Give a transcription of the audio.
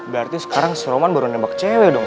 berarti sekarang seroman baru nembak cewek dong